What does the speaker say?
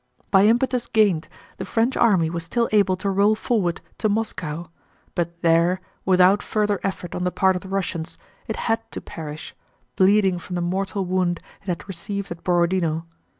By impetus gained, the French army was still able to roll forward to Moscow, but there, without further effort on the part of the Russians, it had to perish, bleeding from the mortal wound it had received at Borodinó.